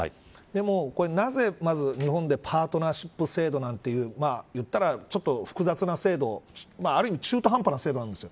でも、これなぜ日本でパートナーシップ制度なんていう言ったら、ちょっと複雑な制度ある意味中途半端な制度なんです。